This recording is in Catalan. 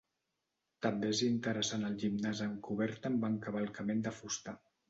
També és interessant el gimnàs amb coberta amb encavalcament de fusta.